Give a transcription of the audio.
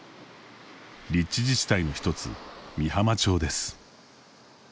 立地自治体の一つ美浜町です。